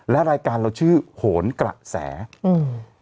และรายการเราชื่อโหนกระแสอืม